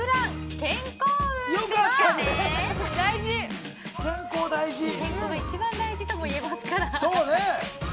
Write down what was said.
健康が一番大事ともいえますから。